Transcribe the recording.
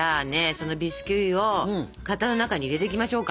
そのビスキュイを型の中に入れていきましょうか。